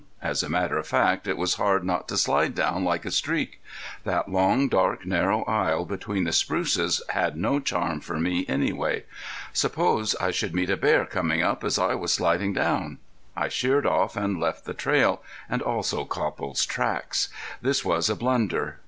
As a matter of fact it was hard not to slide down like a streak. That long, dark, narrow aisle between the spruces had no charm for me anyway. Suppose I should meet a bear coming up as I was sliding down! I sheered off and left the trail, and also Copple's tracks. This was a blunder.